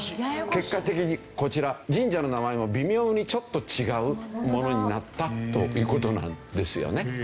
結果的にこちら神社の名前も微妙にちょっと違うものになったという事なんですよね。